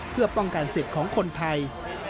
เพื่อป้องกันสิทธิ์ของคนไทย